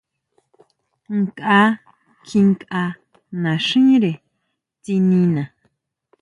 Nkʼa kjinkʼa naxínre tsinina.